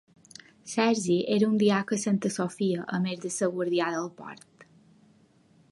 Sergi era un diaca a Santa Sofia, a més de ser guardià del port.